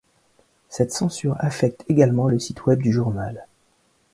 Cette censure affecte également le site web du journal.